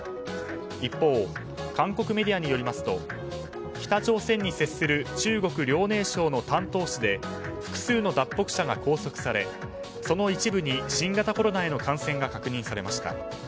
一方、韓国メディアによりますと北朝鮮に接する中国・遼寧省の丹東市で複数の脱北者が拘束されその一部に新型コロナへの感染が確認されました。